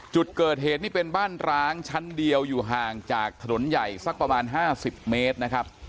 จุดเกิดเหตุนี่เป็นบ้านร้างชั้นเดียวอยู่ห่างจากถนนใหญ่สักประมาณ๕๐เมตรนะครับ